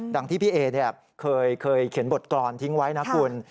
ดังที่พี่เอ๊เนี่ยเคยเคยเขียนบทกรณ์ทิ้งไว้นะคุณ